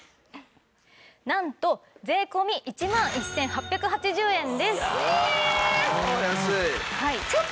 なんと税込１万１８８０円です！ええーっ！